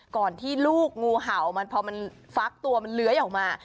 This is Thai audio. ก่อนที่ลูกงูเห่ามันพอมันฟักตัวมันเลื้อยออกมา